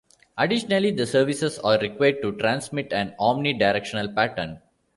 Additionally the services are required to transmit an omni-directional pattern.